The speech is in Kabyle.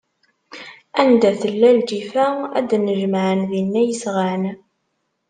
Anda tella lǧifa, ad d-nnejmaɛen dinna yesɣan.